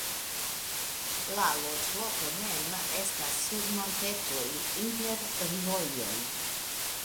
La loĝloko mem estas sur montetoj inter rojoj.